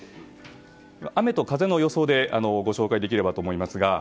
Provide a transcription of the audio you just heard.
雨と風の予想でご紹介できればと思いますが。